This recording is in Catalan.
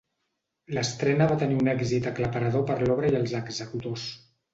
L'estrena va tenir un èxit aclaparador per l'obra i els executors.